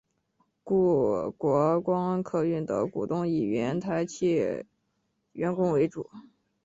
故国光客运的股东以原台汽员工为主。